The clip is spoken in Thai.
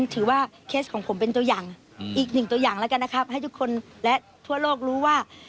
เคสของผมเป็นตัวอย่างอีกหนึ่งตัวอย่างแล้วกันนะครับให้ทุกคนและทั่วโลกรู้ว่า